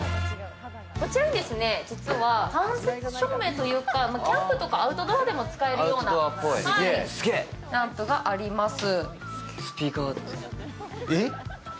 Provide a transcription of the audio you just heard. こちらに実は間接照明というかキャンプとかアウトドアでも使えるようなランプがあります。